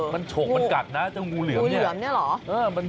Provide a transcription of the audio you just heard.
มันโฉกมันกัดนะเจ้างูเหลืองเนี่ย